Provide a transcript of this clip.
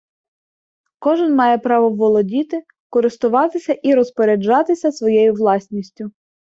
Кожен має право володіти, користуватися і розпоряджатися своєю власністю